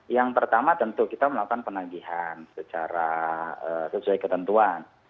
yang pertama tentu kita melakukan penagihan secara sesuai ketentuan